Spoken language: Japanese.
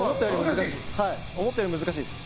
思ったより難しいです。